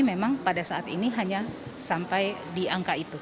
memang pada saat ini hanya sampai diangka itu